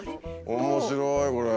面白いこれ。